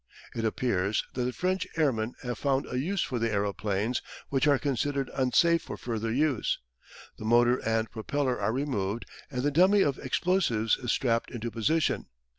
It appears that the French airmen have found a use for the aeroplanes which are considered unsafe for further use. The motor and propeller are removed and the dummy of explosives is strapped into position.